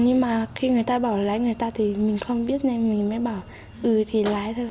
nhưng mà khi người ta bảo lái người ta thì mình không biết nên mình mới bảo ưới thì lái thôi